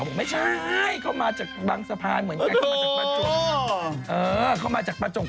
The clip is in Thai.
บอกว่าไม่ใช่เขามาจากทางสะพานเหมือนกัน